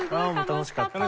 楽しかった？